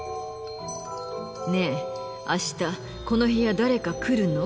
ねえあしたこの部屋誰か来るの？